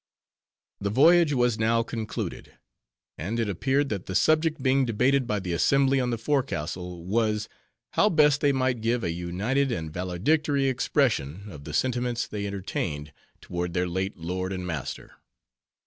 The voyage was now concluded; and it appeared that the subject being debated by the assembly on the forecastle was, how best they might give a united and valedictory expression of the sentiments they entertained toward their late lord and master.